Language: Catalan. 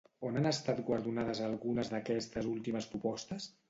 On han estat guardonades algunes d'aquestes últimes propostes?